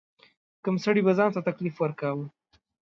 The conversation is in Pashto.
کم سړي به ځان ته تکلیف ورکاوه.